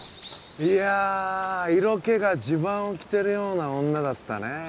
いや色気が襦袢を着てるような女だったねえ